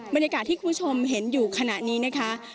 บรรยากาศที่คุณผู้ชมเห็นอยู่ขณะนี้นะคะ